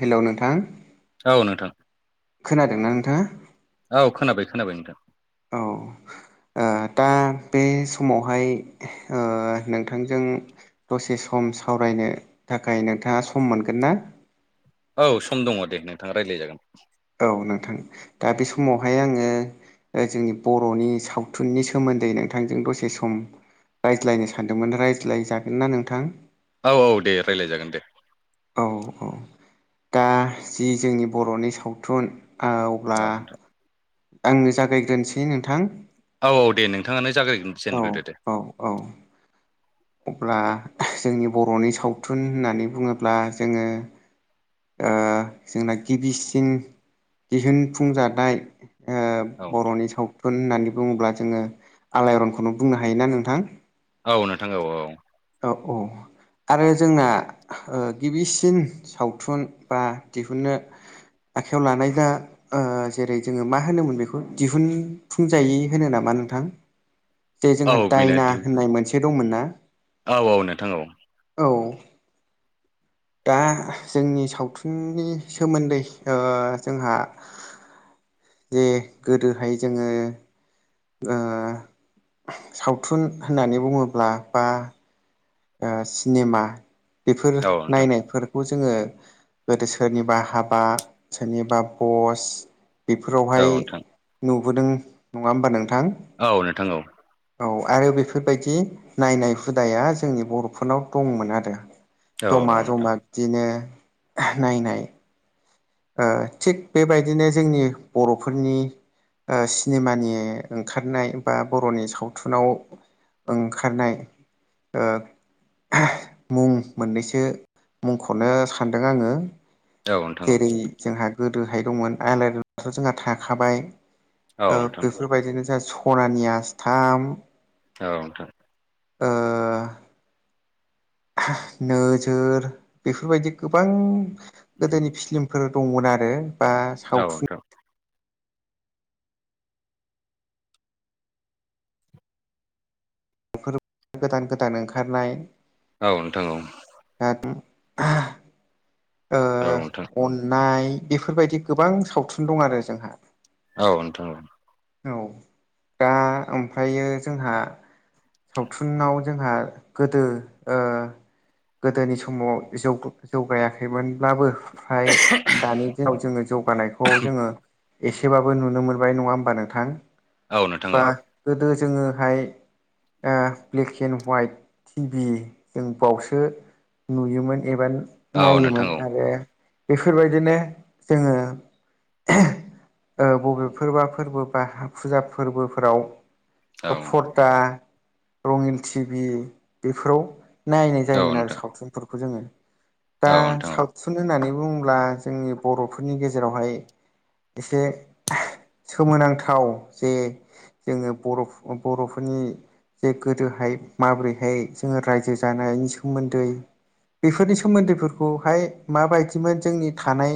Hello नोंथां औ नोंथां। खोनादोंना नोंथाङा औ खोनाबाय खोनाबाय नोंथां औ ओ दा बे समावहाय ओ नोंथांजों दसे सम सावरायनो थाखाय नोंथाङा सम मोनगोन ना? औ सम दङ' दे नोंथाङा रायज्लाय जागोन। औ नोंथां दा बे समावहाय आङो ओ जोंनि बर'नि सावथुननि सोमोन्दै नोंथांजों दसे सम रायज्लायनो सानदोंमोन रायज्लाय जागोनना नोंथां? औ औ दे रायज्लाय जागोन दे। औ औ दा जि जोंनि बर'नि सावथुन आ अब्ला औ नोंथां आंनो जागायग्रोनोसै नोंथां। औ औ दे नोंथाङानो औ जागायजेनग्रोदो दे। औ औ अब्ला जोंनि बर'नि सावथुन होननानै बुङोब्ला जोङो ओ जोंना गिबिसिन दिहुनफुंजानाय ओ औ नोंथां बर'नि सावथुन होननानै बुङोब्ला जोङो आलाय आरनखौनो बुंनो हायोना नोंथां? औ नोंथां औ औ। औ। आरो जोंना गिबिसिन ओ सावथुन बा दिहुनो आखाइायाव लानाय दा जेरै जोङो मा होनोमोन बेखौ दिहुनफुंजायै होनो नामा मा नोंथां जे औ जोंहा बेनो दायना होननाय मोनसे दंमोन नना औ औ नोंथां औ औ दा जोंनि सावथुननि सोमोन्दै जोंहा जे गोदोहाय जोङो सावथुन होननानै बुङोब्ला बा सिनेमा बेफोर औ नोंथां नायनायफोरखौ जों जोङो गोदो सोरनिबा हाबा सोरनिबा बस औ बेफोरावहाय नोंथां नुबोदों नङा होमबा नोंथां औ नोंथां औ औ आरो बेफोरबायदि नायनाय हुदाया जोंनि बर'फोरनाव दंमोन आरो औ नोंथां औ नोंथां औ जमा जमा बिदिनो नायनाय थिग बेबायदिनो जोंनि बर'फोरनि सिनेमानि ओंखारनाय बा बर'नि सावथुनाव ओंखारनाय ओ मुं मोननैसो मुंखौनो सानदों आङो औ नोंथां औ नोंथां जेरै जोंहा गोदोहाय दंमोन आलारिथ' जोंहा थाखाबाय औ नोंथां बेफोरबायदिनो जोंहा सनानि आसथाम औउथा ओ नोजोर बेफोरबायदि गोबां गोदोनि औ फिलिमफोर दंमोन आरो बा सावथुन गोदान गोदान ओंखारनाय औ नोंथां औ दा ओ अननाय बेफोरबायदि गोबां सावथुन दं आरो जोंहा। औ नोंथां औ दा ओमफ्रायो जोंहा सावथुनाव जोंहा गोदो ओ गोदोनि समाव जौ जौगायाखैमोनब्लाबो ओमफ्राय दानि दिनाव जोङो जौगानायखौ जोङो एसेबाबो नुनो मोनबाय नङा होमबा नोंथां? औ नोंथां औ। बा गोदो जोङोहाय ओ ब्लेक एन्ड हवाइट टिभि जों बावसो नुयोमोन एबा नायोमोन आरो बेफोरबायदिनो जोङो ओ बबेफोरबा फोरबो बा फुजा फोरबोफोराव बा पर्दा रङिन टिभि बेफोराव नायनाय जायोमोन आरो सावथुनफोरखौ जोङो। दा सावथुन होननानै बुङोब्ला जोंनि बर'फोरनि गेजेरावहाय एसे सोमोनांथाव जे जोङो बर' बर'फोरनि जे गोदोहाय माबोरैहाय जोङो रायजो जानायनि सोमोन्दै बेफोरनि सोमोन्दैफोरखौहाय माबायदिमोन जोंनि थानाय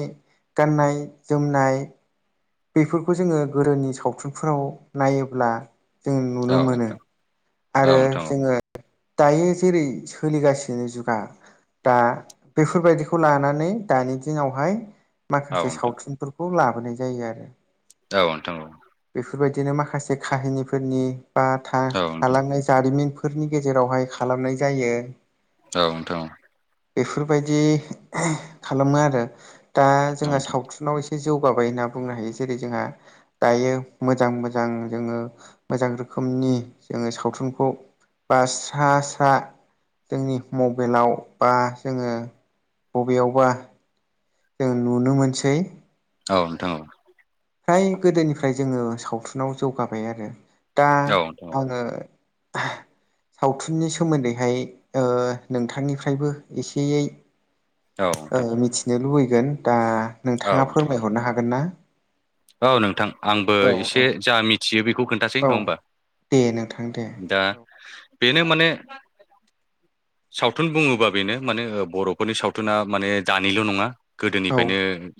गाननाय जोमनाय बेफोरखौ जोङो गोदोनि सावथुनफोराव नायोब्ला जों नुनो मोनो आरो नोंथां जोङो दायो जेरै सोलिगासिनो जुगा दा बेफोरबायदिखौ लानानै दानि दिनावहाय औ माखासे नोंथां सावथुनफोरखौ लाबोनाय जायो आरो। औ नोंथां औ बेफोरबायदिनो माखासे काहिनिफोरनि बा औ थालांनाय जारिमिन फोरनि गेजेरावहाय खालामनाय जायो। औ नोंथां बेफोरबायदि खालामो आरो दा जोंहा नोंथां सावथुनाव एसे जौगाबाय होनना बुंनो हायो जेरै जोंहा दायो मोजां मोजां जोङो मोजां रोखोम रोखोमनि जोङो सावथुनखौ बा स्रा स्रा जोंनि मबाइलाव बा जोङो बबेयावबा जों नुनो मोनसै। औ नोंथां औ फ्राय गोदोनिफ्राय जोङो सावथुनाव जौगाबाय आरो। दा औ नोंथां आङो सावथुननि सोमोन्दैहाय ओ नोंथांनिफ्रायबो एसेयै औ नोंथां मिथिनो लुबैगोन दा औ नोंथाङा नोंथां फोरमायहरनो हागोन ना? औ नोंथां आंबो औ औ एसे जा मिथियो बे खौ खोन्थासै औ नङा होमबा दे नोंथां दे दा बेनो माने सावथुन बुङोबा बेनो माने बर'फोरनि सावथुना माने दानिल' नङा औ गोदोनिफ्रायनो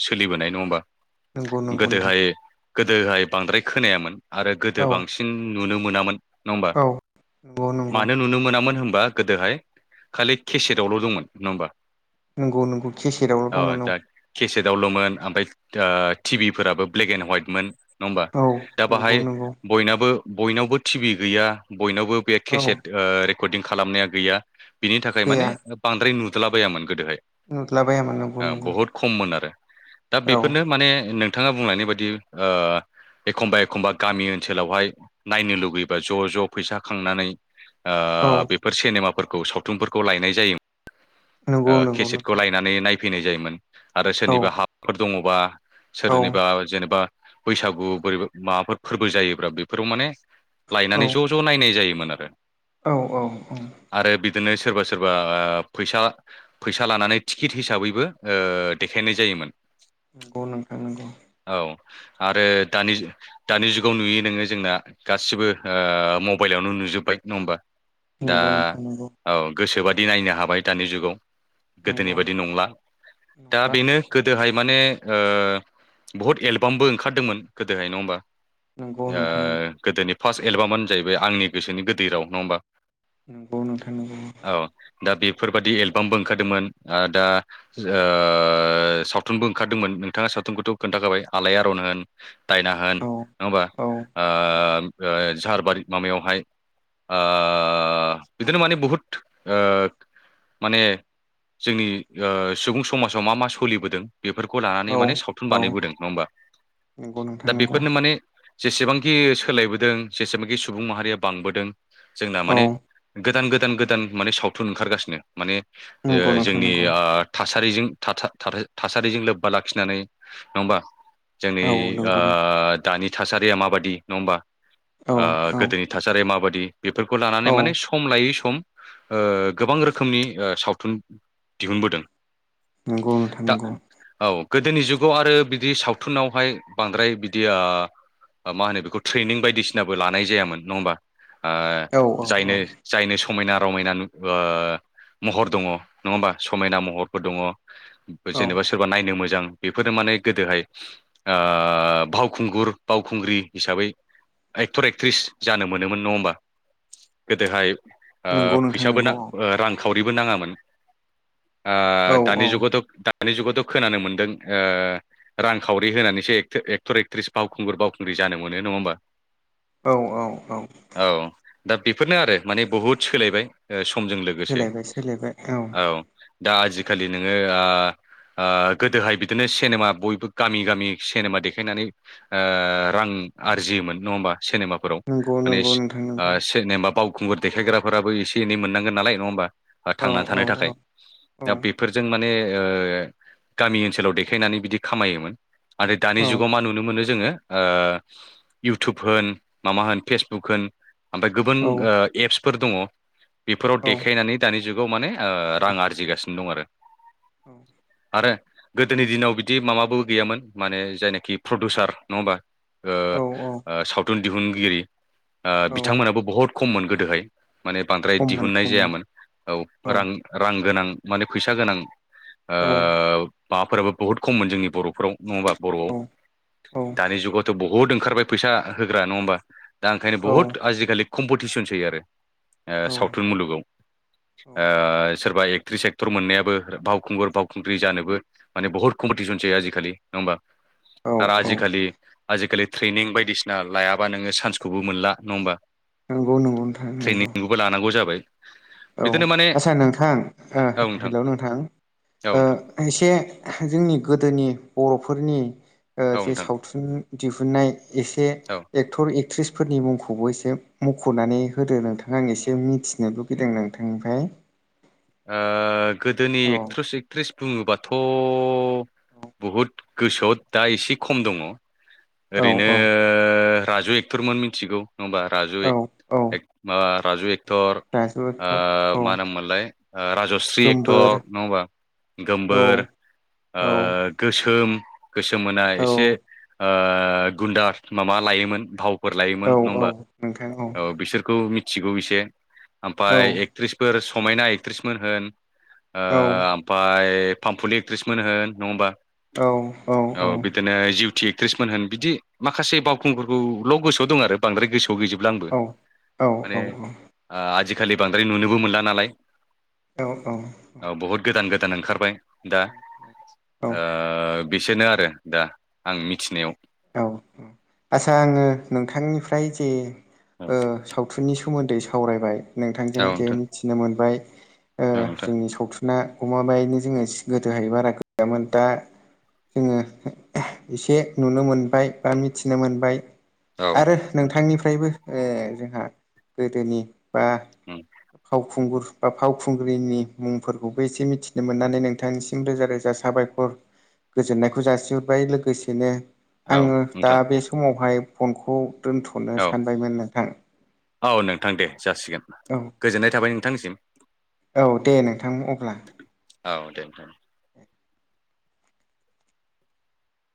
सोलिबोनाय नङा होमबा? नंगौ नंगौ नोंथां। गोदोहाय गोदोहाय बांद्राय खोनायामोन आरो गोदो औ बांसिन नुनो मोनामोन। नङा होमबा औ नंगौ नंगौ मानो नुनो मोनामोन होनबा गोदोहाय खालि केसेटआवल' दंमोन नङा होमबा? नंगौ नंगौ केसेटआवल' औ दंमोन दा केसेटआवल'मोन ओमफ्राय दा टिभिफोराबो ब्लेक एन्ड वाइटमोन। नङा होमबा औ दा नंगौ बाहाय नंगौ बयनाबो बयनावबो टिभि गैया बयनावबो बे औ केसेट रेकर्डिं खालामनाया गैया बिनि थाखाय माने गैया बांद्राय नुदलाबायामोन गोदोहाय नुदलाबायामोन नंगौ नंगौ बहुद खममोन आरो दा औ बेफोरनो माने नोंथाङा बुंलनायनि बायदि ओ एखमबा एखमबा गामि ओनसोलावहाय नायनो लुुबैबा ज' ज' फैसा खांनानै औ बेफोर सिनेमाफोरखौ सावथुनफोरखौ लायनाय जायो नंगौ नंगौ केसेटखौ नोंथां लायनानै नायफैनाय जायोमोन आरो औ सोरनिबा हाफोर दङबा औ सोरनिबा जेनेबा बैसागु बोरै माबाफोर फोरबो जायोब्ला बेफोराव माने औ लायनानै ज' ज' नायनाय जायोमोन आरो औ औ औ आरो बिदिनो सोरबा सोरबा फैसा फैसा लानानै टिकेट हिसाबैबो देखायनाय जायोमोन नंगौ नोंथां नंगौ औ आरो दानि जुगाव नुयो नोङो जोंना गासिबो मबाइलावनो नुयो जोबबाय नङा होनबा नंगौ नोंथां नंगौ गोसोबादि नायनो हाबाय दानि जुगाव गोदोनि नंगौ बायदि नंला दा नंला बेनो औ गोदोहाय माने बहुत एलबामबो ओंखारदोंमोन गोदोहाय नङा होमबा नोंगौ ओ नोंथां नोंगौ गोदोनि फार्स्ट एलबामानो जाहैबाय आंनि गोसोनि गोदै राव नङा होमबा नंगौ नोंथां नंगौ औ दा बेफोरबादि एलबामबो ओंखारदोंमोन दा सावथुनबो ओंखारदोंमोन नोंथाङा सावथुनखौथ' खोन्थाखाबाय आलायआरन होन दायना होन औ नङा होमबा औ नंगौ ओ झार महाय बिदिनो माने बुहुत माने जोंनि सुबुं समाजाव मा मा सोलिबोदों बेफोरखौ लानानै नोंथां माने औ सावथुन बानायबोदों नङा होमबा नंगौ दा नोंथां नंगौ बेफोरनो माने जेसेबांखि सोलायबोदों जेसेबांखि सुबुं माहारिया बांबोदों जोंना औ माने गोदान गोदान गोदान माने सावथुन ओंखारगासिनो माने नंगौ नोंथां जोंनि नंगौ ासजों थासारिजों लोब्बा लाखिनानै नङा होमबा जोंनि औ नंगौ नोंथां दानि थासारिया माबाददि नङा होमबा औ औ गोदोनि थासारिया माबायदि बेफोरखौ लानानै औ माने सम लायै सम गोबां रोखोमनि सावथुन दिहुनबोदों नंगौ नोंथां दा नंगौ औ गोदोनि जुगाव आरो बिदि सावथुनावहाय बांद्राय बिदि मा होनो बेखौ ट्रेनिं बायदिसिनाबो लानाय जायामोन नङा होमबा ओ औ औ जायनो औ जायनो समायना रमायना महर दङ नङा होमबा समायना महरफोर दङ औ जेनेबा सोरबा नायनो मोजां बेफोरनो माने गोदोहाय बावखुंगुर बावखुंग्रि हिसाबै एक्टर एक्ट्रिस जानो मोनोमोन नङा होमबा गोदोहाय नंगौ नोंथां फैसाबोोना नंगौ रांखा सावरिबो नाङामोन औ दानि जुगावथ' दानि जुगावथ' खोनानो मोन्दों रांखावरि होनानैसो एक्टर एक्ट्रिस बावखुंगुर बावखुंग्रि जानो मोन नङा होमबा औ औ औ दा बेफोरनो आरो माने बहुद सोलायबाय समजों लोगोसे सोलायबाय सोलायबाय औ दा आजिखालि नोङो गोदोहाय बिदिनो सिनेमा बयबो गामि गामि सिनेमा देखायनानै रां आरजियोमोन सेनेमा फोराव नंगौ नंगौ नोंथां नंगौ नङा होमबा मानो ओ से खुंगुर देखायग्राफोराबो एन मोननोन नाल नङा होनोमबा औ थांनानै औ थानो औ थाखाय औ दा बेफोरजों म माने गामि ओनसोलाव देखायनानै बिदि खामायोमोन आरोथाय दानि औ जुगाव मा नुनो मोनो जोङो इउटुब होन माबा होन फेसबुक होन ओमफ्राय गुबुन औ फोर दङ बेफोराव औ देखायनानै दानि जुगाव माने रां आरजिगासिनो दं आरो औ आरो गोदोनि दिनाव बिदि माबाबो गैयामोन माने जायनाखि प्रडिउसार नङा होमबा औ सावथुन दिहुनगिरि औ बिथांमोनाबो बहुत खममोन गोदोहाय माने बांद्राय खममोन दिहुननाय खममोन जायामोन औ रां रां गोनां माने फैसा गोनां औ माफोराबो बहुत खममोन जोंनि बर'फोराव नङा होमबा बर'आव औ औ औ दानि जुगावथ' बहुद ओंखारबाय फैसा होग्रा नङा होमबा दा ओंखायनो बुहुत आजिखालि कमपिटिसनसै आरो सावथुन मुलुगाव सोरबा ए फेक्ट्रि सेक्टर मोननायाबो बावखुंगुर बावखुंग्रि जानोबो माने बहुत कम्पिटिसन जायो आजिखालि नङा होमबा औ आरो औ आजि खालि आजिखालि ट्रेनिं बायदिसिना लायाबा नोङो सान्सखौबो मोनला नङा होमबा नंगौ नंगौ नोंथां नंगौ ट्रेनिंखौबो लानांगौ जाबाय औ बिदिनो माने आचसा नोंथां हेल' नोंथां औ नोंथां एसे जोंनि गोदोनि बर'फोरनि औ जे नोंथां सावथुन दिहुननाय एसे औ एक्टर एक्ट्रिस फोरनि मुंखौबो एसे मख'नानै होदो नोंथाङा आं एसे मिथिनो लुबै फिदों नोंथांनिफ्राय गोदोनि औ एक्ट्रेस एक्ट्रिस बुङोबाथ' बहुद गोसोयाव दा एसे खम दङ औ ओरैनो औ राजु एक्ट'रमोन मिथिगौ नङा होमबा राजु औ औ एक माबा राजु एक एक्टर राजु एक्टर ओ औ मा होनोम मोनलाय राजस्रि एक्टर गोमबोर नङा होमबा औ गोमबोर ओ औ गोसोम गोसोम मोना औ एसे गुनदा माबा लायोमोन भावफोर लायोमोन औ नङा औ होमबा नोंथां औ खौ मिथिगौ एसे औ ओमफ्राय एक्ट्रिस फोर समायना एक्ट्रिसमोन होन ओ औ ओमफ्राय फामफुलि एक्ट्रिसमोन होन नङा होनबा औ औ औ जिउथि एक्ट्रिसमोन होन बिदि माखासे बावखुंगुरफोरखौल' गोसोयाव दं आरो बांद्राय गोसोयाव गैजोबला आंबो औ माने औ औ आजिखालि बांद्राय नुनोबो मोनला नालाय औ औ औ औ बहुद गोदान गोदान ओंखारबाय दा औ ओ बेसोरनो आरो दा आं मिथिनायाव आचसा आङो नोंथांनिफ्राय जे औ सावथुननि सोमोनदै सावरायबाय नोंथांजों औ जे नोंथां मिथिनो मोनबाय ओ औ नोंथां जोंनि सावथुन ना गमामायैनो जोङो गोदोहाय बारा गैयामोन दा जोङो एसे नुनो मोनबाय बा मिथिनो मोनबाय औ आरो नोंथां नोंथांनिफ्रायबो जोंहा गोदोनि बा फाव उम फावखुंगुर बा फावखुंग्रिनि मुंफोरखौबो एसे मिथिनो मोननानै नोंथांनिसिम रोजा रोजा साबायखर गोजोननायखौ जासिहरबाय लोगोसेनो औ आङो उम दा बे समावहाय फनखौ दोनथ'नो औ सानबायमोन नोंथां औ नोंथां दे जासिगोन औ गोजोननाय थाबाय नोंथांसिम औ दे नोंथां अब्ला औ दे